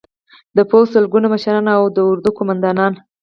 د پوځ سلګونه مشران او د اردو قومندانان